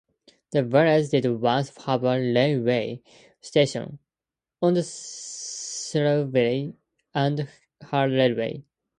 The village did once have a railway station on the Shrewsbury and Hereford Railway.